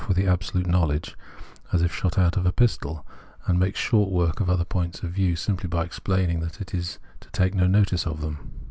with absolute knowledge, as if shot out of a pistol, and makes short work of other points of view simply by explaining that it is to take no notice of them.